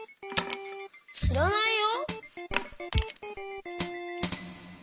しらないよ。